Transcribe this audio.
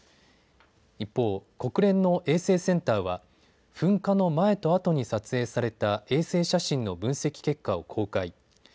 一方、国連の衛星センターは噴火の前とあとに撮影された衛星写真の分析結果を公開。